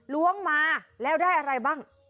ล้วงมาแล้วได้อะไรบ้าง